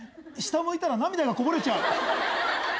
下を向いたら涙がこぼれちゃう。